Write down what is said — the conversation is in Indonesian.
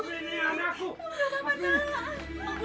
aku ditolong bu